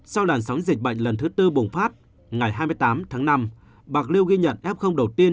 sau làn sóng dịch bệnh lần thứ tư bùng phát ngày hai mươi tám tháng năm bạc liêu ghi nhận f đầu tiên